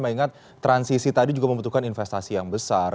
mengingat transisi tadi juga membutuhkan investasi yang besar